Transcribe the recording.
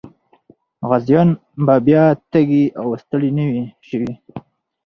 غازيان به بیا تږي او ستړي نه وي سوي.